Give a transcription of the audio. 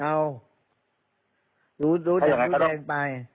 เพราะว่าตอนแรกมีการพูดถึงนิติกรคือฝ่ายกฎหมาย